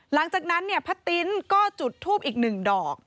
หลังจากนั้นป้าติ๊นก็จุดทูปอีก๑ดอก